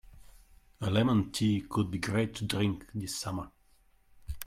A lemon tea could be great to drink this summer.